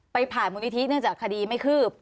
ไปผ่านบนทิศเนื่องจากคดีไม่คืบ